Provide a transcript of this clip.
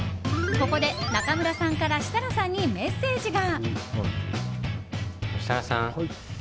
ここで中村さんから設楽さんにメッセージが。